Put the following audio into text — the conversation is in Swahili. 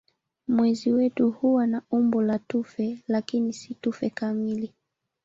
Mwezi wetu huwa na umbo la tufe lakini si tufe kamili.